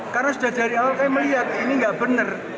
karena sudah dari awal kami melihat ini nggak benar